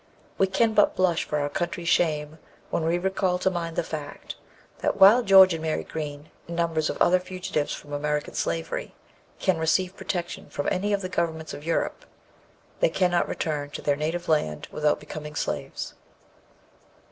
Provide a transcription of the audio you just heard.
We can but blush for our country's shame when we recall to mind the fact, that while George and Mary Green, and numbers of other fugitives from American slavery, can receive protection from any of the governments of Europe, they cannot return to their native land without becoming slaves.